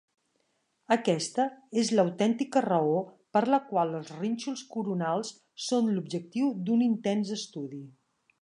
Aquesta és l'autèntica raó per la qual els rínxols coronals són l'objectiu d'un intens estudi.